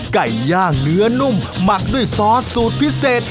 ไก่ย่างเนื้อนุ่มหมักด้วยซอสสูตรพิเศษ